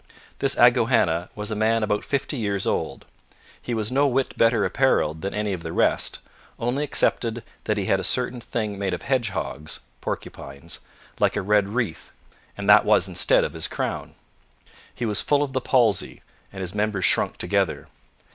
This Agouhanna was a man about fifty pears old. He was no whit better apparelled than any of the rest, only excepted that he had a certain thing made of hedgehogs [porcupines], like a red wreath, and that was instead of his crown. He was full of the palsy, and his members shrunk together.